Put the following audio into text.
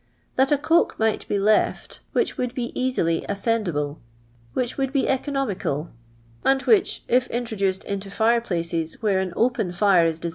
that a coke might be left which would be . oiisily atveudible, wliich would be economical, and which, if introduced into fire piace« where an opc n tire is de.